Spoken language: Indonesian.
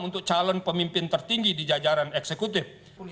untuk calon pemimpin tertinggi di jajaran eksekutif